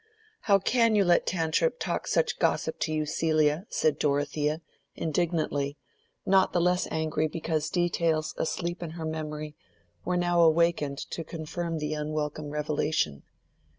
"How can you let Tantripp talk such gossip to you, Celia?" said Dorothea, indignantly, not the less angry because details asleep in her memory were now awakened to confirm the unwelcome revelation.